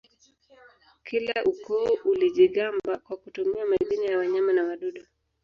Kila ukoo ulijigamba kwa kutumia majina ya wanyama na wadudu